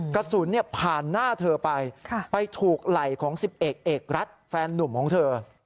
กระสุนผ่านหน้าเธอไปไปถูกไหล่ของ๑๐เอกเอกรัฐแฟนนุ่มของเธอ